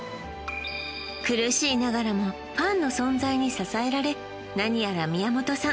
苦しいながらもファンの存在に支えられ何やら宮本さん